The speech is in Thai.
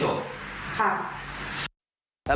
แต่ยังไม่จบ